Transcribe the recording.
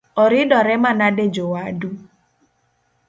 Oridore manade jowadu?